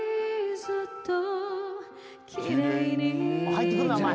入ってくんなお前。